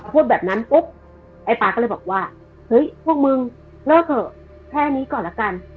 พูดแบบนั้นปุ๊บไอ้ป๊าก็เลยบอกว่าเฮ้ยพวกมึงเลิกเถอะแค่นี้ก่อนละกัน